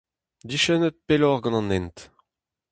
Diskennit pelloc'h gant an hent.